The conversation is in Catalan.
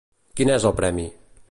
Quin és el premi?